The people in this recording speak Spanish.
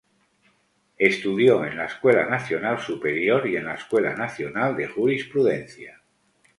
Estudió en la Escuela Nacional Superior y en la Escuela Nacional de Jurisprudencia.